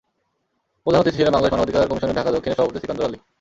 প্রধান অতিথি ছিলেন বাংলাদেশ মানবাধিকার কমিশনের ঢাকা দক্ষিণের সভাপতি সিকান্দর আলী।